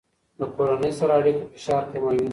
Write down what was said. له کورنۍ سره اړیکه د فشار کموي.